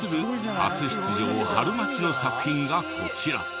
初出場はるまきの作品がこちら。